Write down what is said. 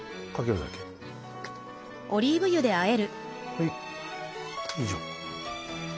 はい以上。